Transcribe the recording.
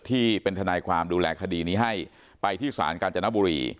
ที่เป็นทนายความดูแลคดีนี้ให้ไปที่ศาลกาญจนบุรี